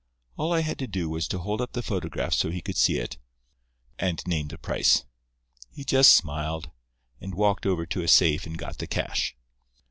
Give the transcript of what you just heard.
All I had to do was to hold up the photograph so he could see it, and name the price. He just smiled, and walked over to a safe and got the cash.